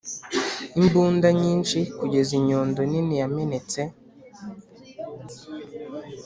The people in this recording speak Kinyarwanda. imbunda nyinshi kugeza inyundo nini yamenetse